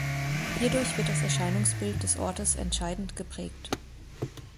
Hierdurch wird das Erscheinungsbild des Ortes entscheidend geprägt.